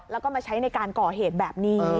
แล้วก็มาใช้ในการก่อเหตุแบบนี้